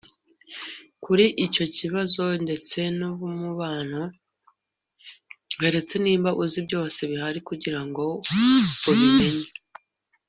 kuri icyo kibazo ndetse n'umubano, keretse niba uzi byose bihari kugira ngo ubimenye